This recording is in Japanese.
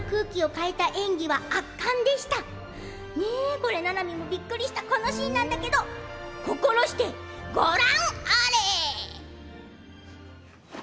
これは、ななみもびっくりしたシーンなだけど心してご覧あれ！